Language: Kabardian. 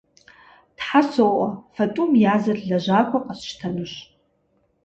Тхьэ соӏуэ, фэ тӏум я зыр лэжьакӏуэ къэсщтэнущ.